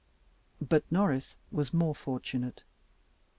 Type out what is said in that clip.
But Norris was more fortunate.